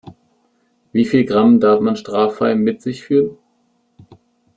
Wie viel Gramm darf man straffrei mit sich führen?